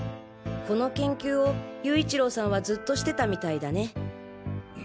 この研究を勇一郎さんはずっとしてたみたいだね。